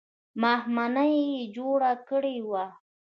ماښامنۍ یې جوړه کړې وه.